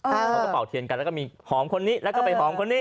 เขาก็เป่าเทียนกันแล้วก็มีหอมคนนี้แล้วก็ไปหอมคนนี้